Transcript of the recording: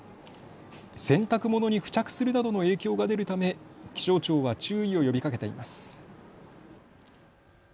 洗濯物に付着するなどの影響が出るため気象庁は注意を呼びかけています。